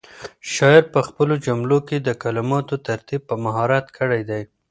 شاعر په خپلو جملو کې د کلماتو ترتیب په مهارت کړی دی.